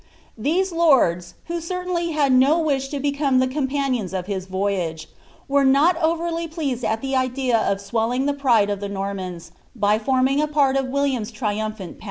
These lords, who cenaiidy hail ni Pwisb to become the companions of his voyage, were not over pleased W Bi the idea of swelling the pride of the Normans, by forming a part of r William's triumphant pageant.